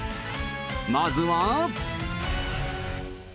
まずは。